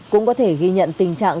cũng có thể ghi nhận tình trạng